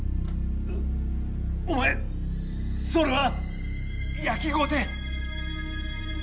お前それは焼きごて。